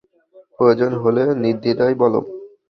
প্রয়োজন হলে নির্ধিদায় বলো।